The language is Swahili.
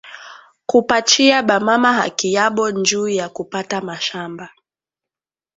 kupachiya ba mama haki yabo njuu ya kupata mashamba